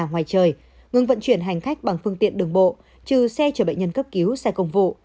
ngoài trời ngừng vận chuyển hành khách bằng phương tiện đường bộ trừ xe chở bệnh nhân cấp cứu xe công vụ